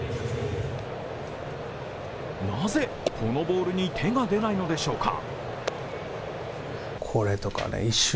なぜ、このボールに手が出ないのでしょうか？